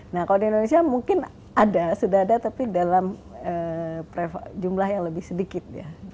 nah kalau di indonesia mungkin ada sudah ada tapi dalam jumlah yang lebih sedikit ya